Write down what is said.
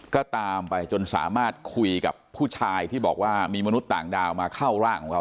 ก็ตามไปจนสามารถคุยกับผู้ชายที่บอกว่ามีมนุษย์ต่างดาวมาเข้าร่างของเขา